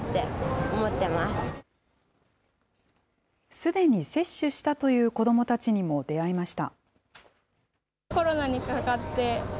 すでに接種したという子どもたちにも出会いました。